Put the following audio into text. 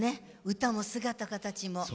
歌も、姿形も。